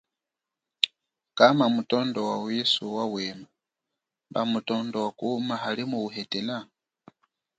Kama mutondo wa wisu wa wema, mba mutondo wakuma hali mu wuhetela?